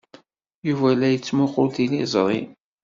Yuba la yettmuqqul tiliẓri.